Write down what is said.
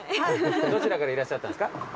どちらからいらっしゃったんですか？